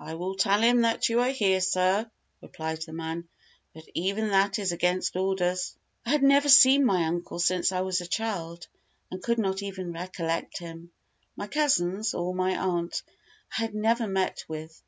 "I will tell him that you are here, sir," replied the man, "but even that is against orders." I had never seen my uncle since I was a child, and could not even recollect him my cousins, or my aunt, I had never met with.